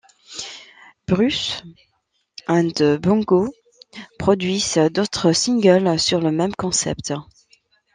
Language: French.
Bruce and Bongo produisent d'autres singles sur le même concept.